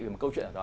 một câu chuyện ở đó